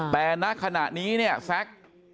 แต่ณขณะนี้เนี่ยแซ็ก